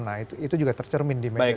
nah itu juga tercermin di media sosial